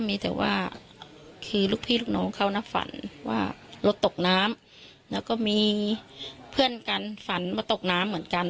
มีแต่ว่าคือลูกพี่ลูกน้องเขานะฝันว่ารถตกน้ำแล้วก็มีเพื่อนกันฝันว่าตกน้ำเหมือนกัน